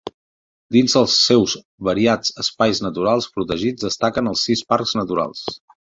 Dins els seus variats espais naturals protegits destaquen els sis parcs naturals.